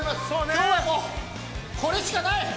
◆きょうはもうこれしかない！